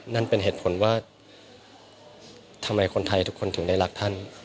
นั่นเป็นเหตุผลว่าทำไมคนไทยทุกคนถึงได้รักท่าน